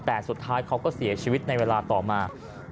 แต่สุดท้ายเขาก็เสียชีวิตในเวลาต่อมา